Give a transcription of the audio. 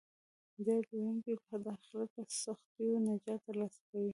درود ویونکی به د اخرت له سختیو نجات ترلاسه کوي